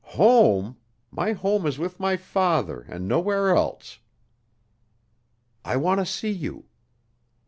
"Home? My home is with my father, and nowhere else." "I want to see you."